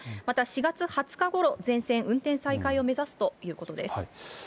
また４月２０日ごろ、全線運転再開を目指すということです。